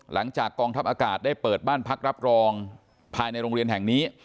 หลังจากกองทัพอากาศได้เปิดบ้านพักรับรองภายในโรงเรียนแห่งนี้